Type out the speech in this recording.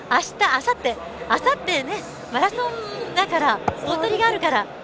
だって、あさってマラソンだから大トリがあるから。